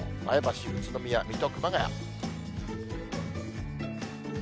前橋、宇都宮、水戸、熊谷。